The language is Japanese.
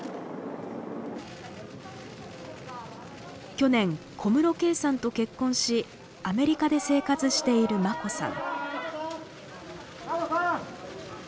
去年小室圭さんと結婚しアメリカで生活している眞子さん。